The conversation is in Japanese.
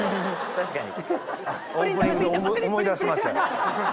確かに。